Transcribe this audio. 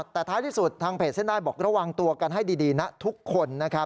แต่ท้ายที่สุดทางเพจเส้นได้บอกระวังตัวกันให้ดีนะทุกคน